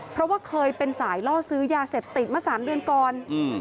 เพราะว่าเคยเป็นสายรอดซื้อยาเสพติกมา๓เดือนก่อน